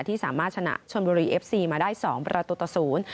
ที่สามารถชนะชนบุรีเอฟซีมาได้สองประตูต่อศูนย์